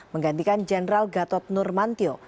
menggantikan jenderal gatot nurmantio